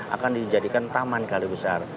akan dijadikan taman kali besar